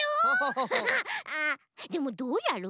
あでもどうやる？